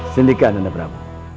sindika nanda prabu